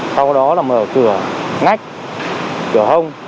sau đó là mở cửa ngách cửa hông